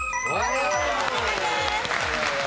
正解です。